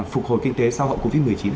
phục hồi kinh tế sau hậu covid một mươi chín